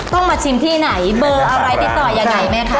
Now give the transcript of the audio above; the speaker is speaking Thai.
ต้องมาชิมที่ไหนเบอร์อะไรติดต่อยังไงแม่คะ